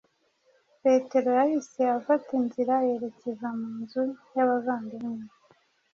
Petero yahise afata inzira yerekeza mu nzu yabavandimwe be